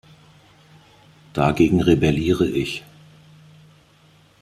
Dagegen rebelliere ich.